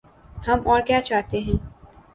ہم اور کیا چاہتے ہیں۔